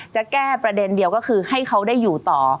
จะแก้ประเด็นเดียวก็คือให้เขาได้อยู่ต่อ